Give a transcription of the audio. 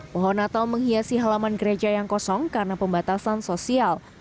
pohon natal menghiasi halaman gereja yang kosong karena pembatasan sosial